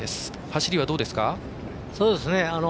走りは、どうですか？